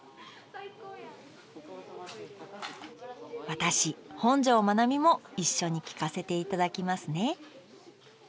私本上まなみも一緒に聴かせていただきますね